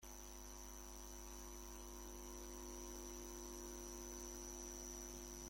Kevin Costner es hijo de Bill Costner y Sharon Costner.